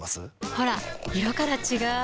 ほら色から違う！